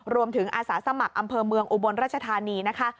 อาสาสมัครอำเภอเมืองอุบลราชธานีนะคะ